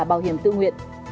bảo hiểm tự nguyện